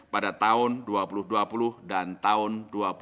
pada tahun dua ribu dua puluh dan tahun dua ribu dua puluh